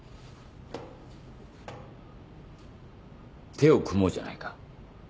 手を組もうじゃないか。